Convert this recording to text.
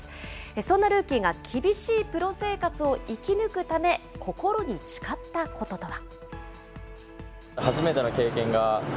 そんなルーキーが厳しいプロ生活を生き抜くため、心に誓ったこととは。